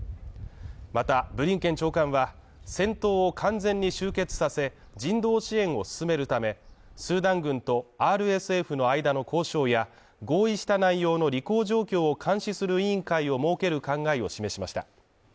また、ブリンケン長官は戦闘を完全に終結させ人道支援を進めるためスーダン軍とＲＳＦの間の交渉や、合意した内容の履行状況を監視する委員会を設ける考えを示しました。